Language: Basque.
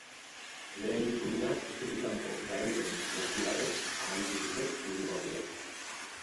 Lehen itzulia etxetik kanpo garaipenik lortu gabe amaitu dute zuri-gorriek.